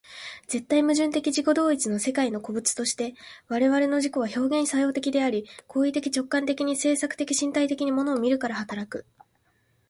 絶対矛盾的自己同一の世界の個物として、我々の自己は表現作用的であり、行為的直観的に制作的身体的に物を見るから働く。